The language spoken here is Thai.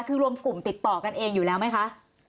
คือรวมกลุ่มติดต่อกันเองอยู่แล้วไหมคะ